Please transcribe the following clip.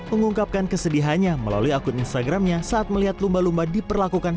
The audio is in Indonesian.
mengungkapkan kesedihannya melalui akun instagramnya saat melihat lumba lumba diperlakukan